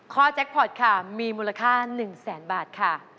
แจ็คพอร์ตค่ะมีมูลค่า๑แสนบาทค่ะ